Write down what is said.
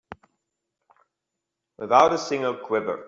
Without a single quiver.